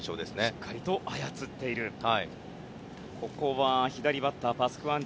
しっかりと操っていると。